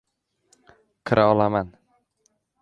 Kira olaman.